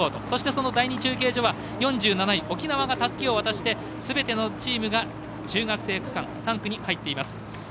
そして、第２中継所は４７位沖縄がたすきを渡してすべてのチームが中学生区間の３区に入っています。